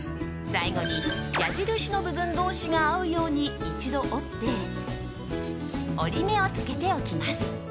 最後に矢印の部分同士が合うように一度折って折り目をつけておきます。